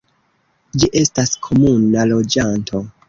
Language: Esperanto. Ĝi estas komuna loĝanto.